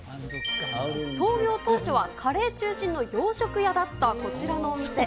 創業当初はカレー中心の洋食屋だったこちらのお店。